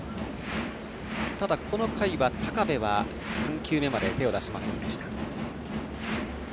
ただ、この回は高部は３球目まで手を出しませんでした。